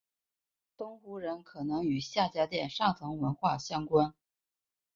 东胡人可能与夏家店上层文化相关。